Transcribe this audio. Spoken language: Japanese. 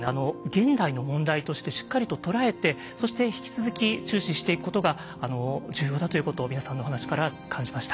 現代の問題としてしっかりと捉えてそして引き続き注視していくことが重要だということを皆さんのお話から感じました。